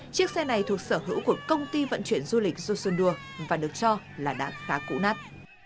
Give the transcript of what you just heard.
chiếc xe này thuộc sở hữu của công ty vận chuyển du lịch josundua và được cho là đã khá cũ nát